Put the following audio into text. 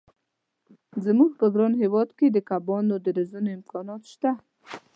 زموږ په ګران هېواد کې د کبانو د روزنې امکانات شته.